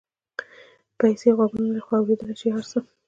پیسې غوږونه نه لري خو اورېدلای شي هر څه.